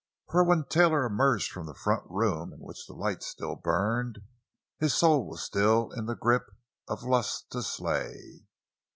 For when Taylor emerged from the front room, in which the light still burned, his soul was still in the grip of a lust to slay.